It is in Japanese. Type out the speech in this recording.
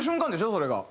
それが。